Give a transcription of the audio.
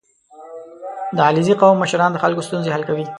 • د علیزي قوم مشران د خلکو ستونزې حل کوي.